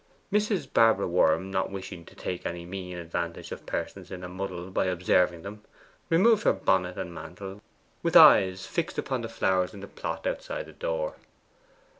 Mrs. Barbara Worm, not wishing to take any mean advantage of persons in a muddle by observing them, removed her bonnet and mantle with eyes fixed upon the flowers in the plot outside the door.